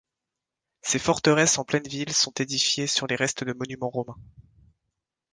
Ces forteresses en pleine ville sont édifiés sur les restes de monuments romains.